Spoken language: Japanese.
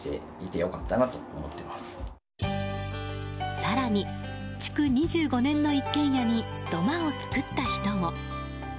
更に、築２５年の一軒家に土間を作った人も。